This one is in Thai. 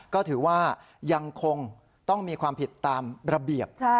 ก็ถือว่ายังคงต้องมีความผิดตามระเบียบ